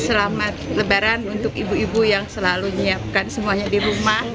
selamat lebaran untuk ibu ibu yang selalu menyiapkan semuanya di rumah